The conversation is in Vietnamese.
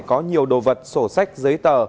có nhiều đồ vật sổ sách giấy tờ